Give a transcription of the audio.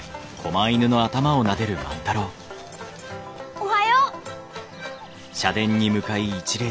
おはよう！